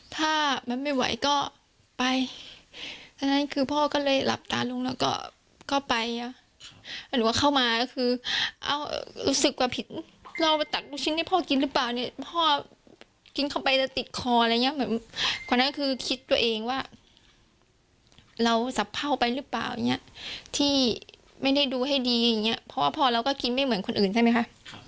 ที่ไม่ได้ดูให้ดีอย่างนี้เพราะว่าพ่อเราก็คิดไม่เหมือนคนอื่นใช่ไหมคะ